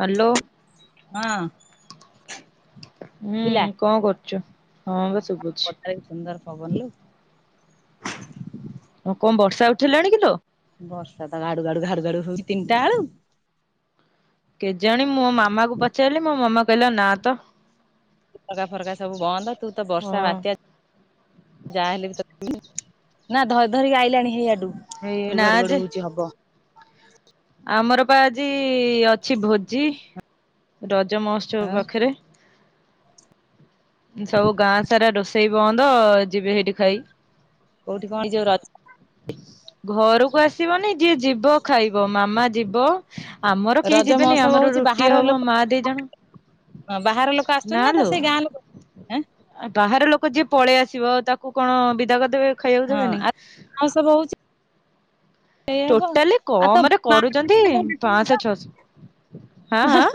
Hello? ହଁ। ହୁଁ ଶୁଭିଲା କଣ କରୁଚୁ? ହଁ, ବା ଶୁବୁଛି। ଏଇ ସୁନ୍ଦର ପବନ ଇଏ କଣ ବର୍ଷା ଉଠେଲାଣି କି ଲୋ? ବର୍ଷା ତ ଘାଡୁ, ଘାଡୁ, ଘାଡୁ ହଉଛି ତିନିଟାଳୁ। କେ ଜାଣି, ମୋ ମାମା କୁ ପଚାରଲିି ମୋ ମାମା କହିଲା ନା ତ। ଝରକା ଫରକା ସବୁ ବନ୍ଦ, ତୁ ତ ବର୍ଷା ହଁ ବାତ୍ୟା ଯାହାହଲେ ବି ତ ନା ଧ ଧରିକି ଆଇଲାଣି ହେଇଆଡୁ। ହେଇ ନା ଯେ ଘଡଘଡ ହଉଛି ହବ। ଆମର ବା ଆଜି ଅଛି ଭୋଜି। ରଜ ମହୋତ୍ସବ ପାଖରେ। ସବୁ ଗାଁ ସାରା ରୋଷ ସେଇ ବନ୍ଦ ଯିବେ ହେଇଟି ଖାଇ। କୋଉଠି କଣ ଯୋଉ ର ଘରକୁ ଆସ ଯିବନି ଯିଏ ଯିବ ଖାଇବ। ମାମା ଯିବ, ଆମର କେହି ରଜ ଯିବେନି ମହୋତ୍ସବ ଆମର ହଉଛି ରୁ ଟି ବାହାର ହବ। ଲୋକ ମା ଦିଇ ଜଣ ହଁ, ବାହାର ଲୋକ ଆସିଛନ୍ତି ନା? ତ ସେଇ ଗାଁ ଲୋକ ହେଁ ଆ, ବାହାର ଲୋକ ଯିଏ ପଳେଇ ଆସିବ ତାକୁ କଣ ବିଦା କରି ଦେବେ। ହଁ, ଆଉ ଆଉ ସବୁ ହଉଛି ସେଇଆ ହବ ଟୋଟାଲି ଆଉ ତ କମ ରେ କରୁଛନ୍ତି, ପାଞ୍ଚଶହ ଛଅଶହ ହାଁ, ହାଁ?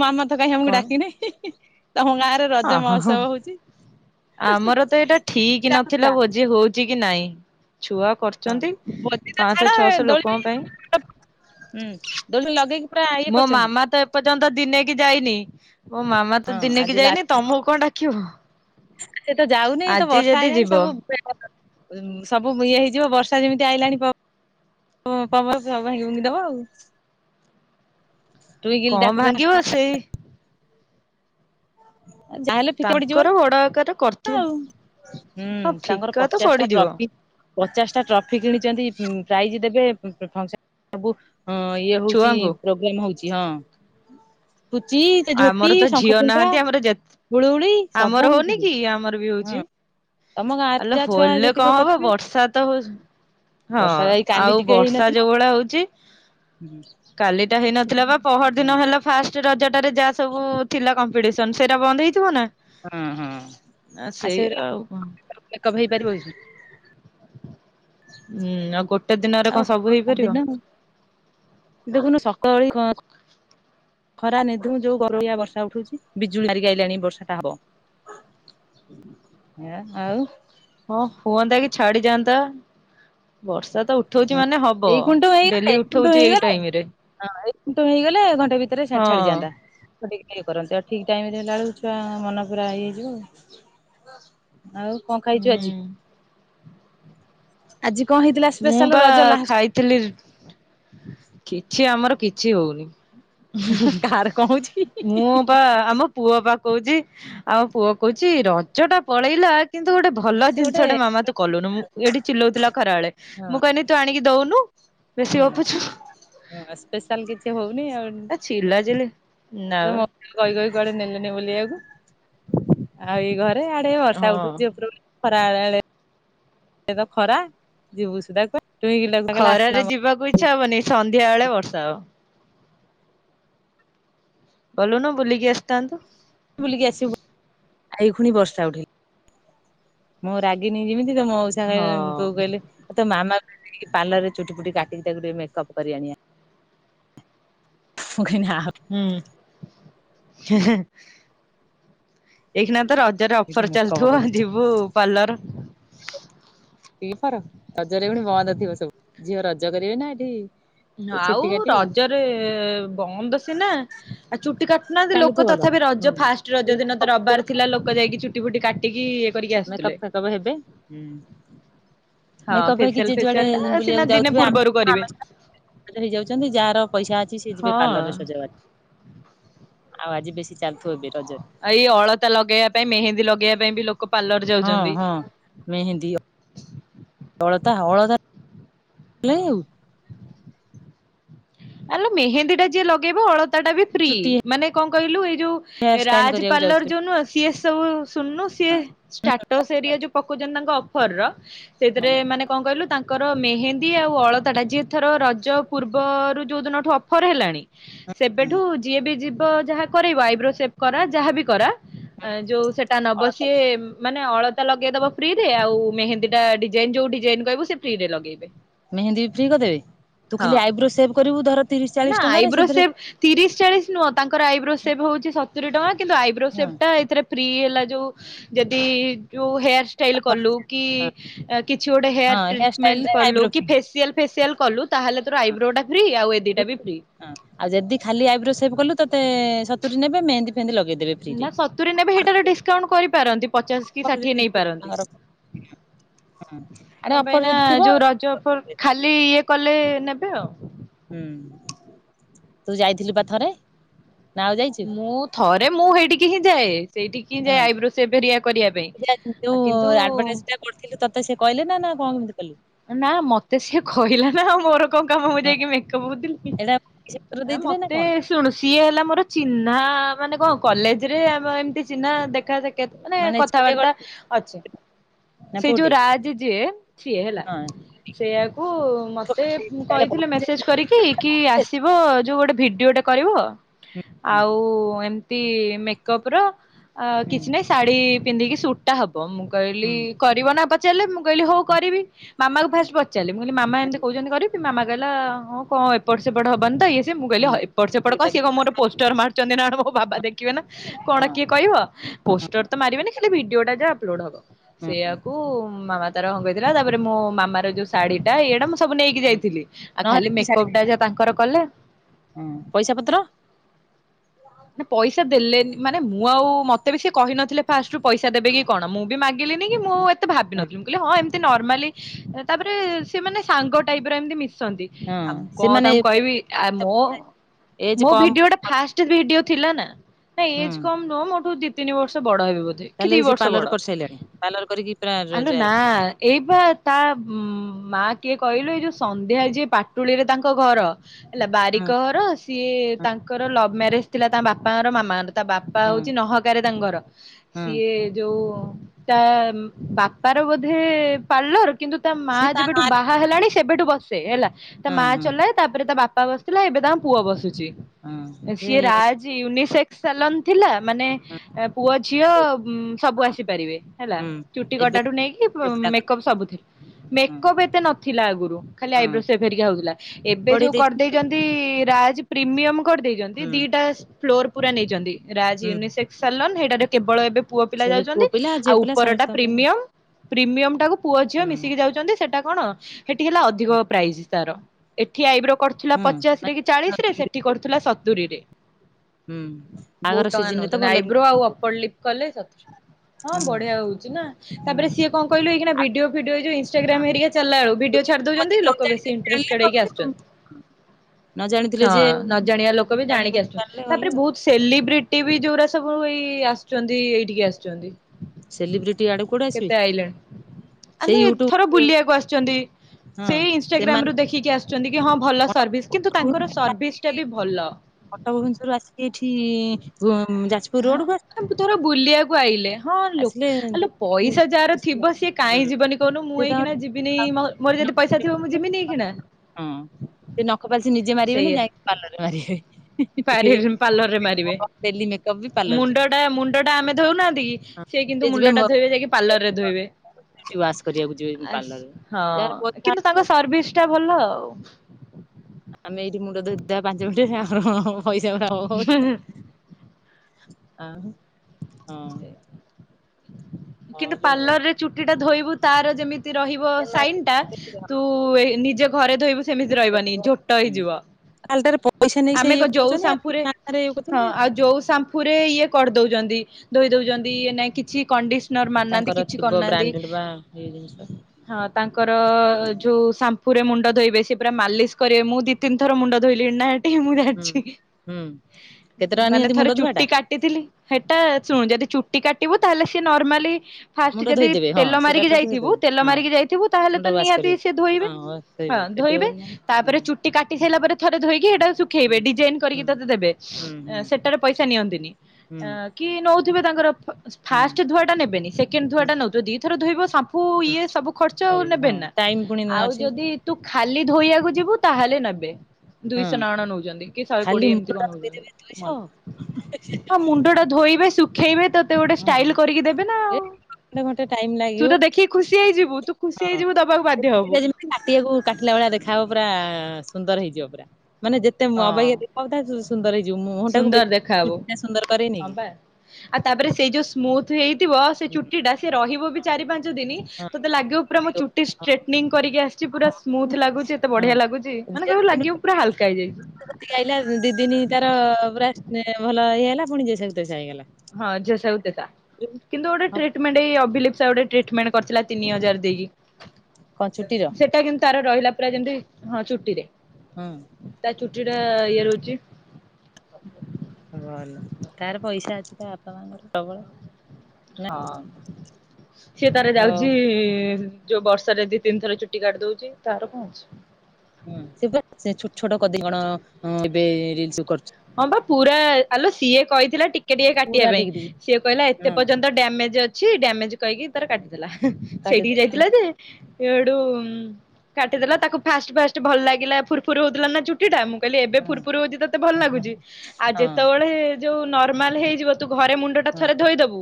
ମାମା ତ କାହିଁ ଆମକୁ କଣ? ଡାକିନି ତମ ଗାଁରେ ଅ ରଜ ହଁ ହଁ ମହୋତ୍ସବ ହଉଛି। ଆମର ତ ଏଇଟା ଠିକ ନଥିଲା ଡାକୁଥିଲା ଭୋଜି ହଉଛି କି ନାଇଁ, ଛୁଆ କରି ଚନ୍ତି ଭୋଜି ତ ଛାଡ ପାଁଶହ ଛଅଶହ ଲୋକଙ୍କ ପାଇଁ। ଦୋଳି ହୁଁ। ଦୋଳି ଲଗେଇକି ପୁରା ଇଏ ମୋ କରିଛନ୍ତି ମାମା ତ ଏପର୍ଯ୍ୟନ୍ତ ଦିନେ କି ଯାଇନି ମୋ ମାମା ତ ହଁ ଦିନେ କି ଆଜି ଯାଇନି ଲାଷ୍ଟ ତମକୁ କଣ ଡାକିବ। ସେ ତ ଯାଉନି ତ ଆଜି ବର୍ଷା ଯଦି ଆଇଲାଣି ଯିବ। ସବୁ ସବୁ ଇଏ ହେଇଯିବ ବର୍ଷା ଯେମିତି ଆଇଲାଣି ବ ପ ପବନ ସବୁ ଭାଙ୍ଗି ଭୁଙ୍ଗୀ ଦବ ଆଉ। ତୁେ ଗିଲ କଣ ଦେଖ ଭାଙ୍ଗିବ ଚାଲେ, ସେଇ ଯାହେଲେ ବି ତାଙ୍କର ବଡ ଆକାରର କର ଆଉ ହୁଁ ତାଙ୍କର ତ ପଚାଶ ଟା ପଡିଯିବ ଟ୍ରଫି ପଚାଶ ଟା ଟ୍ରଫି କିଣିଛନ୍ତି ପ୍ରାଇଜ ଦେବେ ଫଙ୍କସନ ସବୁ। ହଁ ଇଏ ହଉଛି ଛୁଆଙ୍କୁ ପ୍ରୋଗ୍ରାମ ହଉଛି ହଁ। ପୁଚି ସେ ଝୋଟି ଆମର ତ ଶଙ୍ଖ ଝିଅ ଫୁଙ୍କା ନାହାଁନ୍ତି ଆମର ଯେ ହୁଳୁହୁଳି ସବୁ ଆମର ହଉନି ହଉଛିଲୋ କି ଆମର ବି ହଁ ହଉଛି। ତମ ଗାଁରେ ଆଲୋ ଯାହା ଛୁଆ ଫୋରଇଲର ଯେତିକ କଣ ହବ କରୁଥିବେ ବର୍ଷା ତ ହଉଛୁ ହଁ ବର୍ଷା ଏଇ କାଲି ଆଉ ଟିକେ ବର୍ଷା ହେଇନଥିଲା ଯୋଉ ଭଳିଆ ହଉଛି ହୁଁ। କାଲିଟା ହେଇନଥିଲା ବା ପହର ହୁଁ ଦିନ ହେଲା ଫାଷ୍ଟ ରଜଟାରେ ଯାହା ସବୁ ଥିଲା କମ୍ପିଡିସନ୍ ସେଇଟା ବନ୍ଦ ହେଇଥିବ ନା। ହଁ ହଁ। ଆ ସେଇ ଆଉ କଣ ହୁଁ ଆଉ ଗୋଟେ ଦିନରେ ଆଉ କଣ ସବୁ ଦିନ ହେଇପାରିବ। ଦେଖୁନୁ [unintelligible] ଖରା ନିଧୂମ୍ ଯୋଉ ଗରୋଳିଆ ବର୍ଷା ଉଠଉଛି ବିଜୁଳିମାରିକି ଆଇଲାଣି ବର୍ଷା ଟା ହବ। ହା ଆଉ ହଁ ହୁଅନ୍ତା କି ଛାଡ଼ିଯାଆନ୍ତା ବର୍ଷା ତ ଉ ଉଠଉଛି ମାନେ ହବ ଏଇ ଡେଲି ଉଠଉଛି ଏଇ ଟାଇମ ରେ। ହଁଏଇଠି ହେଇଗଲେ ଘଣ୍ଟେ ଭିତରେ ଛା ଛାଡ଼ି ହଁ ଯାଆନ୍ତା। [unintelligible] କରନ୍ତି ଆଉ ଠିକ୍ ଟାଇମ ରେ ହେଲା ବଳକୁ ଛୁଆ ମନ ପୁରା ଇଏ ହେଇଯିବ ଆଉ ଆଉ କଣ ଖାଇଛୁ ହୁଁ ଆଜି ଆଜି କଣ ହେଇଥିଲା? ମୁଁ ସ୍ପେଶାଲ ବା ରଜ ଲାଷ୍ଟ ଖାଇଥିଲି କିଛି ଆମର କିଛି ହଉନି। କାହାର କଣ ହୋଉଛି କି। ମୁଁ ବା ଆମ ପୁଅ ପା କହୁଛି ଆମ ପୁଅ ପା କହୁଛି ରଜ ଟା ପଳେଇଲା କିନ୍ତୁ ଗୋଟେ ଭଲ କିଛି ଗୋଟେ ଜିନିଷଟେ ମାମା ତୁ କଲୁନୁ ମୁଁ ଏଇଠି ଚିଲଉଥିଲା ଖରାବେେଳେ ହଁ ମୁଁ କହିଲି ତୁ ଆଣିକି ଦଉନୁ। ବେଶୀ ହୁଁ ଗପୁଛୁ ହ ଆ ସ୍ପେଶାଲ କିଛି ହଉନେଇ ଆଉ ଆ ଚିଲା ଚିଲି ନା ବା କହିକହି କୁଆଡ଼େ ନେଲେଣିି ବୁଲେଇବାକୁ ଆଉ ଏଇ ଘରେ ଆ ଏ ବର୍ଷା ହଁ ଉଠଉଛି ଉପର ବେଳି ଖରା ଳେ ବେଳେ ତ ଖରା ଯିବୁ ସୁଧା କୁଆଡ଼େ? ଖରାରେ ଯିବାକୁ ଇଚ୍ଛା ହବନି ସନ୍ଧ୍ୟା ବେଳେ ବର୍ଷା ହବ। ଗଲୁନୁ ବୁଲିକି ଆସିଥାନ୍ତୁ। ବୁଲିକି ଆସିବୁ ଏଇ ଖୁଣି ବର୍ଷା ଉଠେଇ ମୁଁ ରାଗିନୀ ଯେମିତି ତମ ଉସ ହଁ [unintelligible] ବୋଉ କହିଲେ ତୋ ମାମା କୁ ଟିକେ ପାର୍ଲର ରେ ଚୁଟି ଫୁଟି କାଟିକି ତାକୁ ଟିକେ ମେକଅପ୍ କରି ଆଣିଆ। ମୁଁ [unintelligible] ହୁଁ ହେଁ ହେଁ ଏଇଖିନା ତ ରଜରେ ଏଠି ଅଫର୍ ମେକଅପ୍ ଚାଲିଥିବ କରୁଛି ଯିବୁ ପାର୍ଲର ପି ଫର ରଜରେ ପୁଣି ବନ୍ଦ ଥିବ ସବୁ ଝିଅ ରଜ କରିବେ ନା ଏଠି ଆଉ ଚୁଟି କାଟିବେ ରଜରେ ବନ୍ଦ ସିନା ଆଉ ଚୁଟି କାଟୁନାହାନ୍ତି ଲୋକ ଚାଲୁଥିବ ଭଲ ତଥାପି ରଜ ଫାଷ୍ଟ ରଜ ହୁଁ ଦିନ ତ ରବବାର ଥିଲା ଲୋକ ଯାଇକି ଚୁ ଟି ଫୁଟି କାଟିକି ଇଏ କରିକି ଆସୁଥିଲେ। ମେକଅପ୍ ଫେକଅପ୍ ହେବେ ହୁଁ। ହଁ ମେକଅପ୍ ହେଇକି ଫେସିଆଲ୍ ଯିଏ ଯୁଆଡେ ଫେସିଆଲ୍ ଟା ବୁଲିବାକୁ ସିନା ଦିନେ ଯାଉଥିବେ ଆମେ ପୂର୍ବରୁ କରିବେ ଆମେ ହେଇଯାଉଛନ୍ତି ଯାହାର ପଇସା ଅଛି ସେ ଯିବେ ହଁ। ପାର୍ଲର ରେ ସଜବା ଆଉ ଆଜି ବେଶୀ ଚାଲୁଥିବ ବି ରଜ ଆ ଏଇ ଅଳତା ଲଗେଇବା ପାଇଁ ମେହେନ୍ଦୀ ଲଗେଇବା ପାଇଁ ବି ଲୋ କ ପାର୍ଲର ଜା ହଁ ହଁ ମେହେନ୍ଦୀ ଅ ଅଳତା ହଳଦା [unintelligible] ଆଲୋ ମେହେନ୍ଦୀ ଟା ଯିଏ ଲଗେଇବ ଅଳତା ଟା ବି ଫ୍ରି ଚୁଟି ମାନେ କଣ କହିଲୁ ଏଇ ହେୟାର ଯୋଉ ଷ୍ଟାଇଲ ରାଜ୍ କରିବାକୁ ପର୍ଲର ଯାଉଥିବେ ଯଉ ନୁହଁ ସିଏ ସବୁ ଶୁଣୁନୁ ସିଏ ଷ୍ଟାଟସ୍ ଏରିଆ ଯୋଉ ପକଉଚନ୍ତି ତାଙ୍କ ଅଫର ର ସେଥିରେ ହଁ ମାନେ କଣ କହିଲୁ ତା ଙ୍କର ମେହେନ୍ଦୀ ଆଉ ଅଳତା ଟା ଯିଏଥର ରଜ ପୂର୍ବରୁ ଯୋଉ ଦୁନଠୁ ଅଫର ହେଲାଣି ହଁ ସେବେଠୁ ଯିଏ ବି ଯିବ ଯାହା କରେଇବ ଆଇବ୍ରୋ ସେବ କରା ଯାହାବି କରା ଯୋଉ ସେଟା ନବ ଅଳତା ସିଏ ମାନେ ଅଳତା ଲଗେଇଦବ ଫ୍ରିରେ ଆଉ ମେହେନ୍ଦୀ ଟା ଡିଜାଇନ ଯୋଉ ଡିଜାଇନ କହିବୁ ସେ ଫ୍ରିରେ ଲଗେଇବେ। ମେହେନ୍ଦୀ ଫ୍ରି କରିଦେବେ ତୁ ହଁ। ଖାଲି ଆଇବ୍ରୋ ସେଭ କରିବୁ ଧର ତିରିଶ ନା ଚାଳିଶ ଟଙ୍କାରେ ଆଇବ୍ରୋ ସେଥିରେ ସେଭ୍ ତିରିଶ ଚାଳିଶ ନୁହଁ ତାଙ୍କର ଆଇବ୍ରୋ ସେଭ୍ ହଉଚି ସତୁରି ଟଙ୍କା। କିନ୍ତୁ ଆଇବ୍ରୋ ହଁ ସେଭ୍ ଟା ଏଥିରେ ଫ୍ରି ହେଲା ଯୋଉ ଯଦି ଯୋଉ ହେୟାର ଷ୍ଟାଇଲ କଲୁ କି କିଛି ଗୋଟେ ହେୟାର ହଁ ଟ୍ରିଟମେଣ୍ଟ ଷ୍ଟାଇଲରେ କଲୁ ଆଇବ୍ରୋ କି ଫ୍ରି ଫେସିଆଲ ଫେସିଆଲ କଲୁ ତାହେଲେ ତୋର ହଁ ଆଇବ୍ରୋ ଟା ଫ୍ରି ଆଉ ଏ ଦିଟା ବି ଫ୍ରି। ହଁ ଆଉ ଯଦି ଖାଲି ଆଇବ୍ରୋ ସେପ୍ କଲୁ ତତେ ସତୁରରି ନେବେ ମେହେନ୍ଦୀ ଫେନ୍ଦି ଲଗେଇଦେବେ। ନା ଫ୍ରିରେ। ସତୁରି ନେବେ ହେଇଟାରେ ଡିସକାଉଣ୍ଟ କରିପାରନ୍ତି ପଚାଶ କି ଅଫର ଷାଠିଏ ଯଦି ନେଇ ଥିବ ପାରନ୍ତି। ତାଙ୍କର ହୁଁ ଆଡେ କଣ ଅଫର ପାଇଁ ନା ଯଦି ଥିବ ଯୋଉ ରଜ ଉପର ଖାଲି ଇଏ କଲେ ନେବେ ଆଉ। ହୁଁ ତୁ ଯାଇଥିଲୁ ପା ଥରେ? ନା ଆଉ ଯାଇଛୁ ମୁଁ ଥରେ ମୁଁ ହେଇଠିକି ହିଁ ଯାଏ। ସେଇଠିକି ହିଁ ହଁ। ଯାଏ ଆଇବ୍ରୋ ସେଭେରିଆ କରିବା ପାଇଁ। ଆ କିନ୍ତୁ ଥିଲୁ ତତେ ସେ କଇଲେ ନା କଣ କେମିତି କଲୁ? ନା ମତେ ସିଏ କହିଲା ନା ମୋର କଣ କାମ ମୁଁ ହଁ ଯାଇକି ମେକ ଅପ୍ ହୋଉଥିଲି। [unintelligible] ଦେଇଥିଲେ ନା? ସିଏ କଣ ଶୁଣୁ ସିଏ ହେଲା ମୋର ଚିହ୍ନା ମାନେ କଣ କଲେଜ ରେ ଆମ ଏମିତି ଚିହ୍ନା ଦେଖା ସାକ୍ଷା ତ ମାନେ ଝିଅଟେ କଥାବାର୍ତ୍ତା କରିଥିଲେ ଅଛି। ନା ସେଇ ଯୋଉ ପୁଅଟେ ରାଜ ଯିଏ ସିଏ ହେଲା। ହଁ। ସେଇୟଆକୁ ମତେ ତାହେଲେ ହୁଁ କହିଥିଲେ ମେସେଜ କରି କି କି ଆସିବ ଯୋଉ ଗୋଟେ ଭିଡିଓଟେ କରିବ। ହୁଁ ଆଉ ଏମ ତି ମେକ ଅପ ର କିଛି ନାହିଁ ଶାଢ଼ୀ ପିନ୍ଧିକି ସୁଟଟା ହବ। ମୁଁ ହୁଁ କହିଲି କରିବ ନା ପଚାରିଲେ ମୁଁ କହିଲି ହଉ କରିବି ମାମା କୁ ଫାଷ୍ଟ ପଚାରିଲି। ମୁଁ କହିଲି ମାମ ଏମିତି କହୁଚନ୍ତି କରିବି ମାମା କହିଲା ହେଲା ହଁ କଣ ଏପଟ ସେପଟେ ହବନି ତ ଇଏ ସେ ମୁଁ କହଲି ହଁ। ହ ଏପଟ ସେପଟ କଣ ସିଏ କଣ ମୋର ପୋ ଷ୍ଟର ମାରୁଚନ୍ତି ନା କଣ ମୋ ବାବା ଦେଖିବେ ନା କଣ କିଏ କହିବ। ପୋଷ୍ଟର ତ ମାରିବେନି ଖାଲି ଭିଡିଓ ଟା ଯା ଅପଲୋଡ ହବ। ସେଇୟାକୁ ମାମା ତାର ହଙ୍ଗେଇଥିଲା ତାପରେ ମୋ ମାମାର ଯୋଉ ଶାଢୀଟା ଏଇଟା ସବୁ ନେଇକି ଯାଇଥିଲି। ଆଉ ନହେଲେ ଖାଲି ମେକପ୍ ଟା ଯା ତାଙ୍କର କଲେ। ହୁଁ ପଇସା ପତ୍ର? ପଇସା ଦେଲେନି ମାନେ ମୁଁ ଆଉ ମତେ ବି ସେ କହିନଥିଲେ ଫାଷ୍ଟରୁୁ ପଇସା ଦେବେ କି କଣ। ମୁଁ ବି ମାଗିଲିନି କି ମୁଁ ଆଉ ଏ ତେ ଭାବିିନଥିଲି ମୁଁ କହିଲି ହଁ ଏମିତି ନର୍ମାଲି ତାପରେ ସେ ମାନେ ସାଙ୍ଗ ଟାଇପର ଏମିତି ମିଶନ୍ତି। ହଁ ଆଉ କଣ ସେମାନେ ତାଙ୍କୁ କହିବି ଆ ମୋ ଏଜ ମୋ କମ୍ ଭିଡିଓ ଟା ଫାଷ୍ଟ ଭିଡିଓ ଥିଲା ନା। ନା ଏଜ ହୁଁ କମ୍ ନୁହଁ ମୋଠୁ ଦି ତିନି ବର୍ଷ ବଡ ହେବି ବୋଧେ। କି ଦି ତାହେଲେ ସେ ବର୍ଷ ବଡ ପାର୍ଲର କରିସାଇଲାଣି। ପାର୍ଲର କରିକି ପୁରା ଆଲୋ ନା ରେଜଗାର କଲା ଏଇ ବା ତା ମା କିଏ କହିଲୁ ଏଇ ଯୋଉ ସନ୍ଧ୍ୟା ଯିଏ ପାଟୁଳିରେ ତାଙ୍କ ଘର ହେଲା ବାରିକ ହୁଁ ଘର ସିଏ ହୁଁ ତାଙ୍କର ଲଭ ମ୍ୟାରେଜ ଥିଲା ତାଙ୍କ ବାପାର ମାମାଙ୍କର। ତା ବାପା ହୁଁ ହଉଚି ନହକାରେ ତାଙ୍କ ଘର। ହୁଁ ସିଏ ଯୋଉ ତା ବାପାର ବୋଧେ ପାର୍ଲର କିନ୍ତୁ ତା ମା ସିଏ ଯେବେଠୁ ନାଁରେ ବାହା ହେଲାଣି ସେବେଠୁ ବସେ ହେଲା। ତା ହୁଁ ମା ହୁଁ ଚଲାଏ ତାପରେ ତା ବାପା ବସିଥିଲା ଏବେ ତାଙ୍କ ପୁଅ ବସୁଚି। ହୁଁ। ସେ ସିଏ ରାଜ ୟୁନିସେକ୍ସ ସେଲନ୍ ଥିଲା ମାନେ ପୁଅ ଝିଅ ସବୁ ଆସିପାରିବେ ହେଲା। ହୁଁ ଚୁଟି ଏବେ କଟାଠୁ ନେଇକି ଝିଅ ପିଲା କଲେ ମେକଅପ୍ ସବୁ ଥିରେ। ହୁଁ ମେକଅପ ଏତେ ନଥିଲା ଆଗୁରୁ ଖାଲି ଆଇବ୍ରୋ ହୁଁ ସେଫ ହେରିକା ହଉଥିଲା ଏବେ ବଢେଇ ଯୋଉ ଦେଇଛନ୍ତି ଆଉ କରିଦେଇଚନ୍ତି ତି ରାଜ ପ୍ରିମିୟମ କରି ଦେଇଚନ୍ତି, ହୁଁ ଦିଟା ଫ୍ଲୋର ପୁରା ନେଇଛନ୍ତି ରାଜ ହୁଁ ୟୁନିସେକ୍ ସେଲନ୍ ହେଇଟାରେ କେବଳ ଏବେ ପୁଅ ପିଲା ସେ ବି ଯାଉଛନ୍ତି, ପୁଅ ପିଲା ଝିଅ ଆଉ ପିଲା ଉପର ଟା ସମସ୍ତଙ୍କ ପାଇଁ ପ୍ରିମିୟମ ପ୍ରିମିୟମ ଟାକୁ ପୁଅ ଝିଅ ହୁଁ ମିଶିକି ଯାଉଚନ୍ତି। ସେଟା କଣ ହେଟି ହେଲା ଅଧିକ ପ୍ରାଇଜ ତାର। ଏଠି ଆଇବ୍ରୋ କରୁଥିଲା ହୁଁ ପଚାଶ ରେ କି ଚାଳିଶରେ ସେଠି କରୁଥିଲା ସତ ହୁଁ ବାହାଘର ବହୁତ ଟଙ୍କା ସିଜିନରେ ତ ନଉଛନ୍ତି ଭଲ ଆଇବ୍ରୋ ଇନକମ୍ ଆଉ ହବ ଅପର ଲିପ କଲେ ସତୁରି। ହୁଁ ହୁଁ ହଁ ବଢିଆ ହଉଛି ନା, ତାପରେ ସିଏ କଣ କହିଲୁ ଏଇଖିଣା ଭିଡିଓ ଫିଡିଓ ଫିଡ଼ିଓ ଇନଷ୍ଟଟାଗ୍ରାମ ହେରିକା ଚାଲଆଳୁ ଭିଡିଓ ଛାଡି ଦଉଛନ୍ତି ନ ଲୋକ ଜାଣିଲେ ବେଶୀ ଜାଣିଲେ ଇଣ୍ଟରେଷ୍ଟେଡ ହେଇକି ଆସୁ ଛନ୍ତି। [inaudible] ନ ଜାଣିଥିଲେ ହଁ ଯେ ନଜାଣିବା ଲୋକ ବି ଜାଣି ଜାଣିକି ଆସୁଛନ୍ତି, ଜାଣିଲେ ଗଲେ ତାପରେ ଆଉ ବହୁତ ସେଲିବ୍ରେଟି ବି ଯୋଉରା ସବୁ ଏଇ ଆସୁଛନ୍ତି ଏଇଠିକି ଆସଛନ୍ତି। ସେଲିବ୍ରେଟି ୟାଡେ କୁଆଡେ ଆସିବେ? ଆଲୋ ସେଇ ଏଥର ୟୁଟ୍ୟୁବ ବୁଲିଆକୁ ଆସିଛନ୍ତି ହଁ ସେଇ ଇନସଷ୍ଟାଗ୍ରାମ ସେମାନେ ରୁ ଦେଖିକି ଆସୁ ଚନ୍ତି କି ହଁ ଭଲ ସର୍ଭିସ୍ କିନ୍ତୁ ତାଙ୍କର ସର୍ଭିସ ଟା ବି ଭଲ। କଟକ ଭୁବନେଶ୍ୱରରୁ ଆସିକି ଏଠି ଯାଜପୁର ହଁ ରୋଡ କୁ ଆସ ଧର ବୁଲିଆକୁ ଆଇଲେ ହଁ ଲୋ, ଆସିଲେ ଆଲୋ ପଇସା ଯାହାର ଥିବ ସିଏ କାଇଁ ଯିବନି କହୁନୁ, ମୁଁ ସେ ତ ହଁ ହେଇକିନା ଯିବିନେଇ ମୋର ଯଦି ପଇସା ଥିବ ମୁଁ ଯବିନି ଏଇ ଖିଣା? ହୁଁ ସେ ନଖ ପାଲିସି ନିଜେ ମାରିହେବେନି ସେଇଆ ଯାଇକି ପାର୍ଲରରେ ମାରିହେବେ। ପାରି ପାର୍ଲରରେ ମାରିବେ ମେକଅପ ବି ପାର୍ଲର ମୁଣ୍ଡ ଯିବେ ଟା ମୁଣ୍ଡ ଟା ଆମେ ଧଉନାହାନ୍ତି କି ସିଏ ସେ କିନ୍ତୁ ଯିବେ ମୁଣ୍ଡ ଟା ଧୋଇବେ ଯାଇକି ପାର୍ଲର ରେ ଧୋଇବେ। ବ୍ୟୁଟି ୱାସ କରିବାକୁ ଯିବେ ଆସ୍ ପାର୍ଲରରେ ଯାହାର ହଁ ପଇସା କିନ୍ତୁ ଅଛି ତାଙ୍କ ସର୍ଭିସ ଟା ଭଲ ଆଉ। ଆମେ ଏଇଠି ମୁଣ୍ଡ ଧୋଇ ଦେବା, ପାଞ୍ଚ ମିନିଟ୍‌ରେ, ଆମର କଣ ପଇସା ଅଭାବ ଅଛି ନା। ଆ ହଁ। କିନ୍ତୁ ପାର୍ଲର ହଁଲୋ ରେ ଚୁଟି ଟା ଧୋଇବୁ ତାର ଯେମି ତି ରହିବ ସାଇନ ଟା ତୁ ନିଜେ ଘରେ ଧୋଇବୁ ସେମିତି ରହିବନି ଝୋଟ ହେଇଯିବ। କାଲ୍ଟାରେ ପ ଆମେ କ ଯଉ ସାମ୍ପୁ ରେ ହଁ ଆଉ ଯଉ ସାମ୍ପୁ ରେ ଇଏ କରିଦଉଚନ୍ତି। ଧୋଇ ଦଉଛନ୍ତି ଇଏ ନାଇ କିଛି କଣ୍ଡିସନର ମାନନାହାନ୍ତି ତାଙ୍କର କିଛି ଥିବ କରନାହାନ୍ତି ବ୍ରାଣ୍ଡେଡ ବା ଏଇ ଜିନିଷ ହଁ ତାଙ୍କର ଯୋଉ ସାମ୍ପୁ ରେ ମୁଣ୍ଡ ଧୋଇବେ ସେ ପୁରା ମାଲିସ କରିବେ ମୁଁ ଦି ତିନି ଥର ମୁଣ୍ଡ ଧୋଇଲିଣି ନା ହେ ମୁଁ ହୁଁ ଜାଣିଛି ହୁଁ। କେତେ ଟଙ୍କା ମାନେ ନିଅନ୍ତି ଥରେ ମୁଣ୍ଡ ଚୁଟି ଧୁଆଟା କାଟ ଟି ଥିଲି ହେଟା ଶୁଣୁ ଯଦି ଚୁଟି କାଟିବୁ ତାହେଲେ ସେ ନର୍ମାଲି ଫାଷ୍ଟ ମୁଣ୍ଡ ଯଦି ଧୋଇଦେବେ ହଁ ତେଲ ସେଟା ମାରିକି ତ ଯାଇଥିବୁ ଧୋଇଦେବେ ତେଲ ହଁ। ମାରିକି ଯାଇଥିବୁ ତାହେଲେ ତ ମୁଣ୍ଡ ୱାସ୍ ନିହାତି କରିବେ ସିଏ ଧୋଇବେ। ୱାସ୍ ହଁ, କାଟି ଧୋଇବେ ହବନି ନହେଲେ ହୁଁ ତାପରେ ଚୁଟି କାଟି ସାଇଲା ପରେ ଥରେ ଧୋଇକି ହେଟା ହୁଁ। ଶୁଖେଇବେ ଡିଜାଇନ ହୁଁ କରିକି ତତେ ଦେବେ ହୁଁ ହୁଁ ସେଟାରେ ପଇସା ନିଅନ୍ତିନି ହୁଁ। କି ନଉଥିବେ ତାଙ୍କର ହୁଁ ଫାଷ୍ଟ ଧୁଆ ଟା ନେବେନି ସେକେଣ୍ଡ ହୁଁ ଧୁଆଟା ହୁଁ ନଉଥିବ ଦି ଥର ଧୋଇବ ସାମ୍ପ ଇଏ ସବୁ ଖର୍ଚ୍ଚ ଆଉ ସାରିବେ ହଁ ନେବେନି ନା। ଟାଇମ ପୁଣି ଆଉ ଅଛି। ଯଦି ତୁ ଖାଲି ଧୋଇଆକୁ ଯିବୁ ତାହେଲେ ନେବେ। ହଁ। ଦୁଇଶ ନାଅଣ ନଉଛନ୍ତି କି ଶହେ ଖାଲି କୋଡିଏ ଏମିତି ମୁଣ୍ଡଟା କଣ ନଉଛନ୍ତି ଧୋଇଦେବେ ମନେ ଦୁଇଶହ ଆଉ ମୁଣ୍ଡ ଟା ଧୋଇବେ ଶୁ ହେଇବା ତୋତେ ଗୋଟେ ହଁ ଷ୍ଟାଇଲ କରିକି ଦେବେ ନା ଆଉ। [unintelligible] ଟାଇମ ଲାଗେ ତୁ ତ ଦେଖିକି ଖୁସି ହେଇଯିବୁ, ତୁ ଖୁସି ହେଇଯିବୁ ଦବାକୁ ବାଧ୍ୟ ହବୁ। କାଟିିବାକୁ କାଟିଲା ଭଳିଆ ଦେଖାହେବ ପୁରା ସୁନ୍ଦର ହେଇଯିବ ପୁରା ମାନେ ଯେତେ ମ ହଁ [unintelligible] କ ସୁନ୍ଦର ହେଇଯିବ, ମୁହଁ ଟାକୁ ସୁନ୍ଦର ଦେଖାହବୁ ବା ସୁନ୍ଦର କରେଇନି ହଁ କି। ପା। ଆଉ ତାପରେ ସେଇ ଯୋଉ ସ୍ମୁଥ ହେଇଥିବ ସେ ଚୁଟି ଟା ସେ ରହିବ ବି ଚାରି ପାଞ୍ଚ ଦିନି। ହଁ ତୋତେ ଲାଗିବ ପୁରା ମୋ ଚୁଟି ହଁ ଷ୍ଟ୍ରେଟନିଂ କର ଆସି ପୁରା ସ୍ମୁଥ୍ ଲାଗୁଚି, ଏତେ ବଢିଆ ଲାଗୁଚି ମାନେ କହିଲୁ ଲାଗିବ ପୁରା ହାଲକା ହେଇଯାଇଚି। ଗାଇଲା ଦିଇ ଦିନ ତାର ପୁରା ଭଲ ଇଏ ହେଲା ପୁଣି ଜେସା କୁ ତେସା ହେଇଗଲା। ହଁ ଜେସା କୁ ତେସା। କିନ୍ତୁ ଗୋଟେ ହଁ ଟିଟମେଣ୍ଟ ଏଇ ଅଭିଲିପସା ଗୋଟେ ଟିଟମେଣ୍ଟ କରିଥିଲା ତିନି ହଜାର ଦେଇକି। କଣ ଚୁଟିର ସେଟା କେମତି ତାର ରହିଲା ପୁରା ଯେମିତି ହଁ ଚୁଟି ହଁ। ତା ଚୁଟି ଟା ଇଏ ରହୁଚି। ଭଲ ତାର ପଇସା ଅଛି, ତା ବାପା ମାଆଙ୍କର ପ୍ରବଳ। ନା ହଁ ସିଏ ତାର ହଉ। ଯାଉଚି ଯୋଉ ବର୍ଷାରେ ଦିଇ ତିନି ଥର ଚୁଟି କାଟି ଦୋଉଚି ତାର କଣ ଅଛି। ହୁଁ ସେ ପୁରା ଛୋଟ ଛୋଟ କରି ଦେଇଚି କଣ ଏବେ ରିଲ୍ସି କରଚି। ହଁ ବା ପୁରା ଆଲୋ ସିଏ କହିଥିଲା ଟିକେ ଟିକେ କାଟିବା ପୁରା ଟିକି ପାଇଁ ଟିକି। ସିଏ କହିଲା ଏତେ ହଁ। ପର୍ଯ୍ୟନ୍ତ ଡ୍ୟାମେଜ ଅଛି ଡ୍ୟାମେଜ କହିକି ତାର କାଟିଦେଲା, ସେଇଠିକି କାଟିଦେଲେ ଯାଇଥିଲା ଯେ ଏଇଡୁ କାଟିଦେଲା ତାକୁ ଫାଷ୍ଟ ଫାଷ୍ଟ ଭଲ ଲାଗିଲା ଫୁୁର ଫୁର ହୋଉଥିଲା ନା ଚୁ ଟା ମୁଁ କହିଲି ଏବେ ହଁ ଫୁୁରପରୁ ହୋଉଚି ତତେ ଭଲ ଲାଗୁଚି ଆଉ ହଁ ଯେତେବେଳେ ଯୋଉ ନର୍ମାଲ ହେଇଯିବ ତୁ ଘରେ ମୁଣ୍ଡ ଟା ହଁ। ଥରେ ଧୋଇଦବୁ,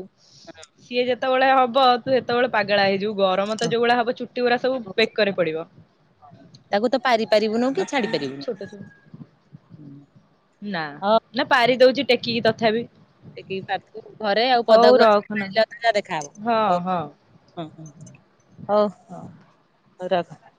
ସିଏ ଯେତେବେଳେ ହବ ତୁ ସେତେବେଳେ ପାଗଳା ହେଇଯିବୁ, ଗରମ ତ ଯୋଉଭଳିଆ ହବ ଚୁଟି ଗୁଡା ସବୁ ବେକରେ ପଡିବ। ତାକୁ ତ ପାରି ପାରିବୁନୁ କି ଛାଡି ପାରିବୁନି। ଛୋଟ ଛୋଟ ନା ହଉ ନା ପାରି ଦୋଉଚି ଟେକିକି ତଥାପି। ଟେକିକି ପାରିଦୋବୁ ଘରେ ଆଉ ହଉ ପଦାକୁ ରଖନା ଆସିଲା ବେଳେ ହଁ ଦେଖାହବ ହଁ ଆଉ। [unintelligible] ହଁ। [unintelligible]